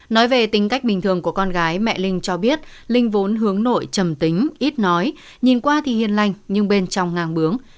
nói về tính cách bình thường của con gái mẹ linh cho biết linh vốn hướng nội chầm tính ít nói nhìn qua thì hiền lành nhưng bên trong ngang bướng